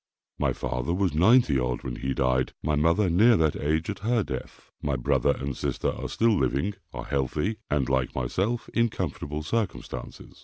My father was ninety odd, when he died, my mother near that age at her death. My brother and sister are still living, are healthy, and, like myself, in comfortable circumstances.